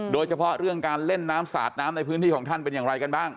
โดยเฉพาะเรื่องการเล่นน้ำสาดน้ำในพื้นที่ของท่านเป็นอย่างไรกันบ้าง